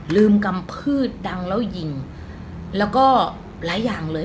กำพืชดังแล้วยิงแล้วก็หลายอย่างเลย